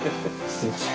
すみません。